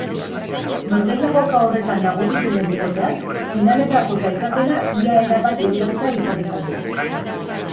Norgehiagoka horretan nagusitzen den bikoteak finalerako sailkapena ia erabat bideratuta izan dezake.